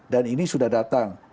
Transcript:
dan ini sudah datang